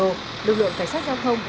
trong thủ đô lưu lượng cảnh sát giao thông